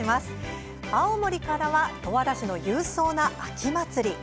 青森からは十和田市の勇壮な秋祭り。